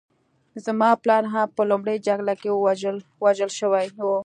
زما پلار هم په لومړۍ جګړه کې وژل شوی و